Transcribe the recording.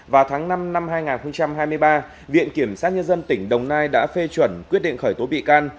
vào tháng năm năm hai nghìn hai mươi ba viện kiểm sát nhân dân tỉnh đồng nai đã phê chuẩn quyết định khởi tố bị can